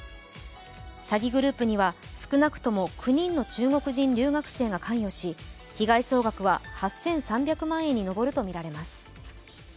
詐欺グループには少なくとも９人に中国人留学生が関与し被害総額は８３００万円に上るとみられます。